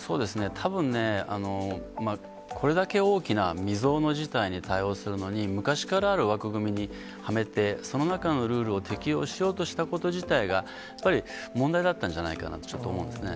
たぶんね、これだけ大きな未曽有の事態に対応するのに、昔からある枠組みにはめて、その中のルールを適用しようとしたこと自体が、やっぱり問題だったんじゃないかなと、ちょっと思うんですね。